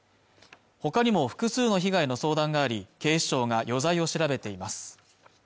ほかにも複数の被害の相談があり警視庁が余罪を調べています